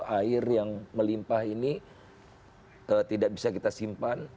air yang melimpah ini tidak bisa kita simpan